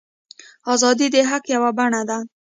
ازادي د حق یوه بڼه ده.